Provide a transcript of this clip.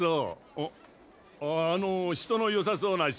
あっあの人のよさそうな人。